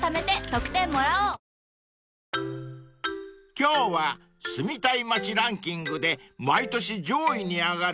［今日は住みたい街ランキングで毎年上位に挙がる